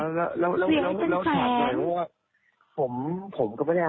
แล้วถามหน่อยว่า